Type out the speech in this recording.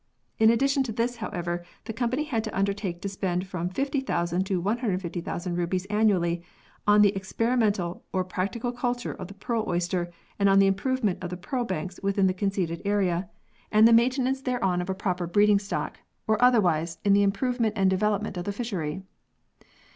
In addition to this, however, the company had to undertake to spend from Rs. 50,000 to Rs. 150,000 annually "on the experi mental or practical culture of the pearl oyster and on the improvement of the pearl banks within the conceded area, and the maintenance thereon of a x] PEARLS AND SCIENCE 135 proper breeding stock, or otherwise, in the improve ment and development of the fishery."